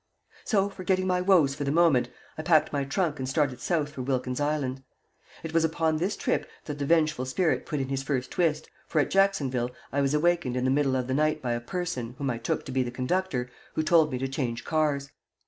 So, forgetting my woes for the moment, I packed my trunk and started South for Wilkins's Island. It was upon this trip that the vengeful spirit put in his first twist, for at Jacksonville I was awakened in the middle of the night by a person, whom I took to be the conductor, who told me to change cars.